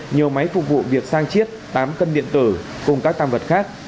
nhiều máy phục vụ việc sang chiết tám cân điện tử cùng các tăng vật khác